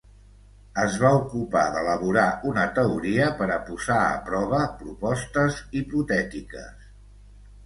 Es va ocupar d'elaborar una teoria per a posar a prova propostes hipotètiques.